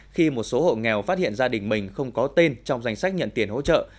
khi một số hộ nghèo phát hiện gia đình mình không có tên trong danh sách nhận tiền hỗ trợ